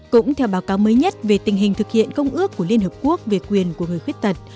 cũng theo báo cáo mới nhất về tình hình thực hiện công ước của liên hợp quốc về quyền của người khuyết tật